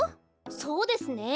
そうですね。